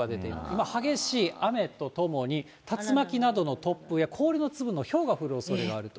今、激しい雨とともに竜巻などの突風や氷の粒のひょうが降るというおそれがある。